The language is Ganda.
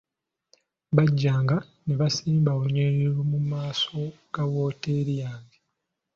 Bajjanga ne basimba olunyiriri mu maaso ga wooteri yange.